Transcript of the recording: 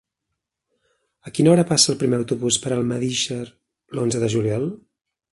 A quina hora passa el primer autobús per Almedíxer l'onze de juliol?